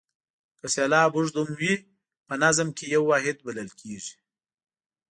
که سېلاب اوږد هم وي په نظم کې یو واحد بلل کیږي.